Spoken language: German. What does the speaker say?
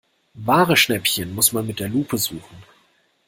Wahre Schnäppchen muss man mit der Lupe suchen.